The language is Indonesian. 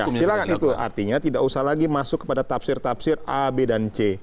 silahkan itu artinya tidak usah lagi masuk kepada tafsir tafsir a b dan c